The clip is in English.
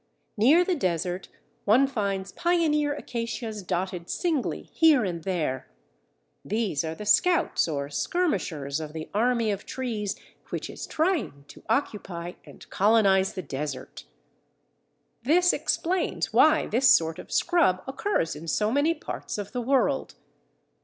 Near the desert one finds pioneer acacias dotted singly here and there; these are the scouts or skirmishers of the army of trees which is trying to occupy and colonize the desert. This explains why this sort of scrub occurs in so many parts of the world.